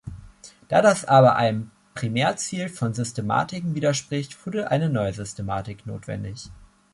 Da das aber einem Primärziel von Systematiken widerspricht, wurde eine neue Systematik notwendig.